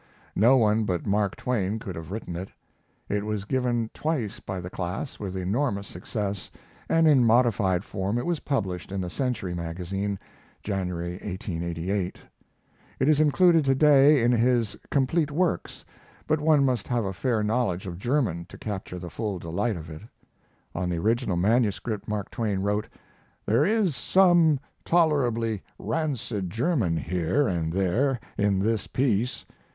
No one but Mark Twain could have written it. It was given twice by the class with enormous success, and in modified form it was published in the Century Magazine (January, 1888). It is included to day in his "Complete Works," but one must have a fair knowledge of German to capture the full delight of it. [On the original manuscript Mark Twain wrote: "There is some tolerably rancid German here and there in this piece.